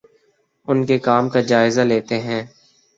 اُن کے کام کا جائزہ لیتے ہیں